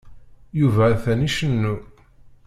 Yuba atan icennu.